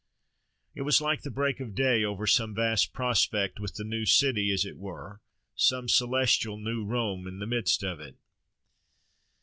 It was like the break of day over some vast prospect with the "new city," as it were some celestial New Rome, in the midst of it.